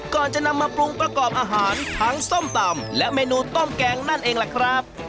ก่อนจะนำมาปรุงประกอบอาหารทั้งส้มตำและเมนูต้มแกงนั่นเองล่ะครับ